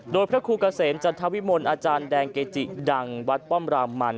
โดยพระครูเกษมจันทวิมลอาจารย์แดงเกจิดังวัดป้อมรามมัน